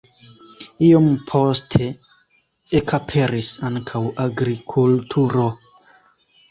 Iom poste ekaperis ankaŭ agrikulturo.